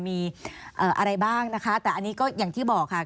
มีอะไรบ้างนะคะแต่เราก็อย่างที่บอกคือ